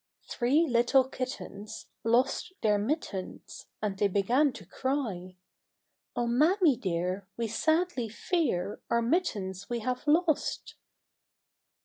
THREE little kittens Lost their mittens, And they began to cry, " Oh, mammy dear, we sadly fear Our mittens we have lost